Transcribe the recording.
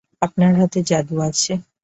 আপনার হাতে জাদু আছে।